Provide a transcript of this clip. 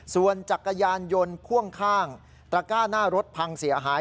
ส่วนจักรยานยนต์พ่วงข้างตระก้าหน้ารถพังเสียหาย